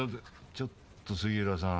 ちょっと杉浦さん。